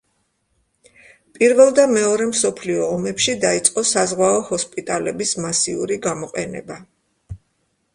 პირველ და მეორე მსოფლიო ომებში დაიწყო საზღვაო ჰოსპიტალების მასიური გამოყენება.